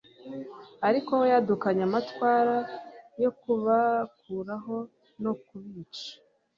Ariko we yadukanye amatwara yo kubakuraho no kubica